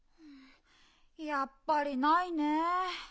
やっぱりないね。